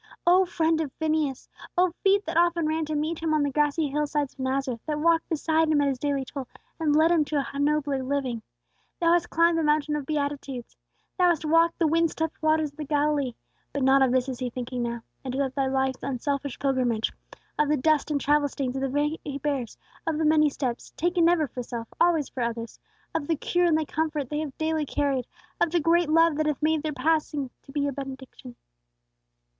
O friend of Phineas! O feet that often ran to meet him on the grassy hillsides of Nazareth, that walked beside him at his daily toil, and led him to a nobler living! Thou hast climbed the mountain of Beatitudes! Thou hast walked the wind swept waters of the Galilee! But not of this is he thinking now. It is of Thy life's unselfish pilgrimage; of the dust and travel stains of the feet he bears; of the many steps, taken never for self, always for others; of the cure and the comfort they have daily carried; of the great love that hath made their very passing by to be a benediction.